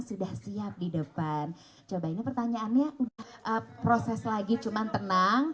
itu ya kita profesional